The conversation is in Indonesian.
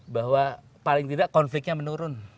bahwa paling tidak konfliknya menurun